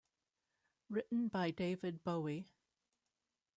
Written by David Bowie.